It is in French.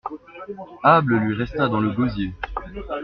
Able lui resta dans le gosier.